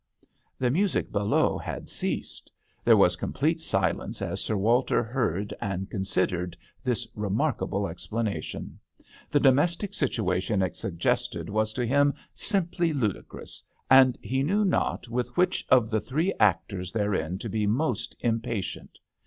The music below had ceased. There was complete silence as Sir Walter heard and considered this remarkable explanation. The domestic situation it suggested was to him simply ludicrous, and he knew not with which of the three actors therein to be most impatient.